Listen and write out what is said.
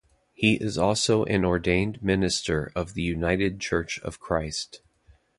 He is also an ordained minister of the United Church of Christ.